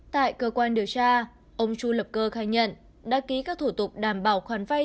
tại cơ quan điều tra ông chu lập cơ khai nhận đã ký các thủ tục đảm bảo khoản vay